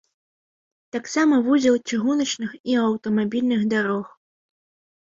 Таксама вузел чыгуначных і аўтамабільных дарог.